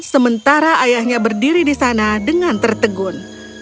sementara ayahnya berdiri di sana dengan tertegun